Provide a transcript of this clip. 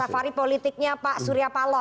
safari politiknya pak suryapalo